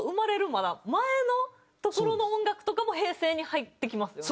まだ前のところの音楽とかも平成に入ってきますよね。